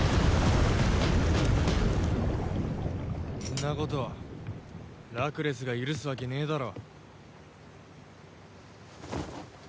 んなことラクレスが許すわけねえだろ。